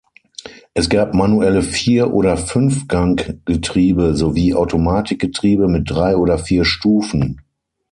Es gab manuelle Vier- oder Fünfganggetriebe, sowie Automatikgetriebe mit drei oder vier Stufen.